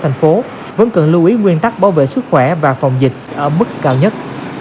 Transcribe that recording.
thành phố vẫn cần lưu ý nguyên tắc bảo vệ sức khỏe và phòng dịch ở mức cao nhất